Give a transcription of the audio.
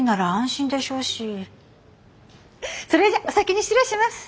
それじゃお先に失礼します。